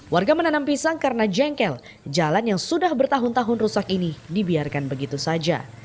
warga menanam pisang karena jengkel jalan yang sudah bertahun tahun rusak ini dibiarkan begitu saja